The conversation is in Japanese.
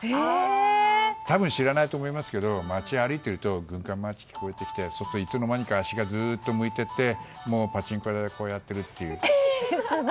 多分知らないと思いますけど街を歩いていると軍艦マーチが聴こえてきてすると、いつの間にか足が向いていってパチンコ屋でこれが鳴っているという。